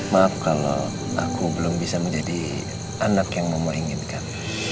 maaf kalau aku belum bisa menjadi anak yang mama inginkan